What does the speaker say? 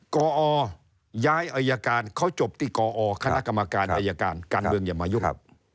กอย้ายอายการเขาจบที่กอคณะกรรมการอายการการเมืองอย่ามายุ่ง